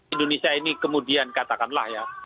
indonesia ini kemudian katakanlah ya